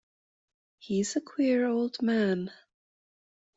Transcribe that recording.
He's a queer old man.